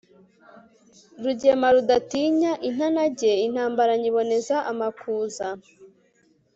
Rugema rudatinya intanage intambara nyiboneza amakuza